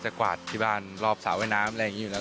กวาดที่บ้านรอบสระว่ายน้ำอะไรอย่างนี้อยู่แล้ว